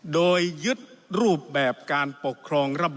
โดยยึดรูปแบบการปกครองระบบ